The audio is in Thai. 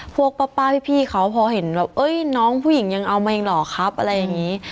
พวกป้าพี่เขาพอเห็นแบบเอ้ยน้องผู้หญิงยังเอามาเองเหรอครับอะไรอย่างนี้